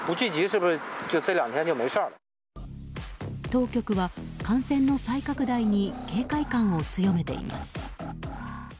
当局は感染の再拡大に警戒感を強めています。